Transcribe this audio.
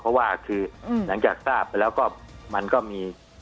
เพราะว่าคือหลังจากทราบแล้วก็มันก็มี